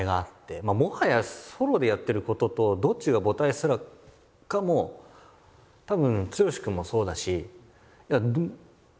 もはやソロでやってることとどっちが母体すらかもたぶん剛君もそうだしいやどっちもだよって。